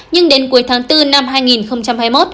nhưng đến cuối tháng bốn năm hai nghìn hai mươi một